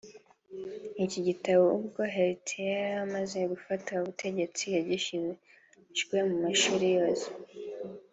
Iki gitabo ubwo Hitler yaramaze gufata ubutegetsi kigishijwe mu mashuri yose